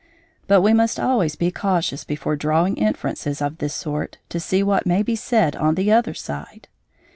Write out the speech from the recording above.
But we must always be cautious before drawing inferences of this sort to see what may be said on the other side.